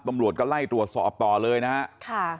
ตำรวจก็ไล่ตรวจสอบต่อเลยนะครับ